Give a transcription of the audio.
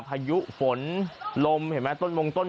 พายุฝนลมเห็นไหมต้นมงต้น